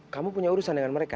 kamu punya urusan dengan mereka